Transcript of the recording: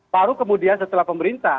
baru kemudian setelah pemerintah